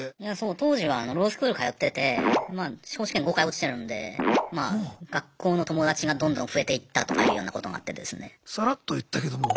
当時はロースクール通っててまあ司法試験５回落ちてるんで学校の友達がどんどん増えていったとかいうようなことがあってですね。